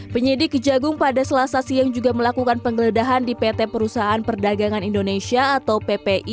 penyidik kejagung pada selasa siang juga melakukan penggeledahan di pt perusahaan perdagangan indonesia atau ppi